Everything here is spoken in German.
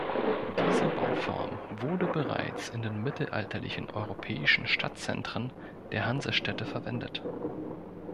Diese Bauform wurde bereits in den mittelalterlichen europäischen Stadtzentren der Hansestädte verwendet.